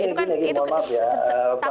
itu kan takut dicontoh